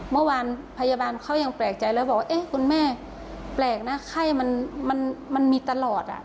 เมื่อวานพยาบาลเขายังแปลกใจแล้วบอกว่าเอ๊ะคุณแม่แปลกนะไข้มันมีตลอด